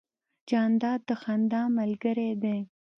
جانداد د خندا ملګری دی.